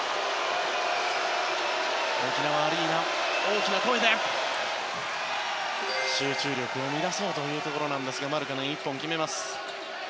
沖縄アリーナ、大きな声で集中力を乱そうというところでマルカネンが１本決めます。